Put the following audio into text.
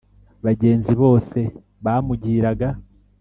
bagenzi bose bamugiraga